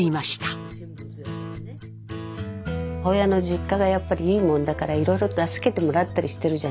母親の実家がやっぱりいいもんだからいろいろ助けてもらったりしているじゃない。